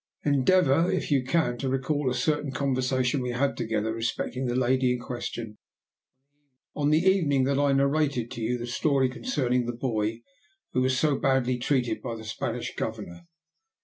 Endeavour, if you can, to recall a certain conversation we had together respecting the lady in question on the evening that I narrated to you the story concerning the boy, who was so badly treated by the Spanish Governor.